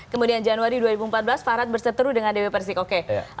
kemudian januari dua ribu empat belas fard berseteru dengan dewi persik oke